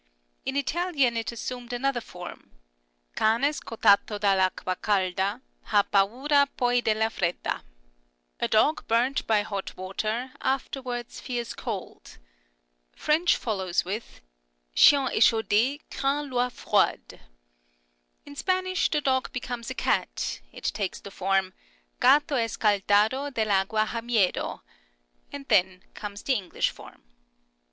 In Italian it assumed another form, " Can scottatb da I'acqua calda ha paura poi della fredda "(" A dog burnt by hot water, afterwards fears cold "). French follows with " Chien echaude craint I'eau froide." In Spanish the dog becomes a cat ; it takes the form, " Gato escaldado del agua ha miedo "; and then comes the English form.